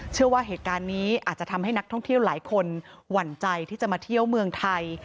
เชื่อว่าเหตุการณ์นี้อาจจะทำให้นักท่องเที่ยวหลายคนหวั่นใจที่จะมาเที่ยวเมืองไทย